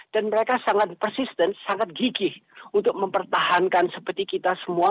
dan mereka sangat persisten sangat gigih untuk mempertahankan seperti kita semua